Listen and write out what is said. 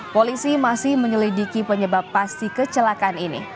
polisi masih menyelidiki penyebab pasti kecelakaan ini